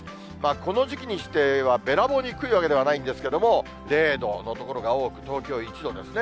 この時期にしては、べらぼうに低いわけではないんですけれども、０度の所が多く、東京１度ですね。